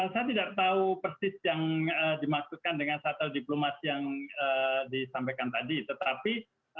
saya tidak tahu persis yang dimaksudkan dengan shuttle diplomasi yang disampaikan tadi tetapi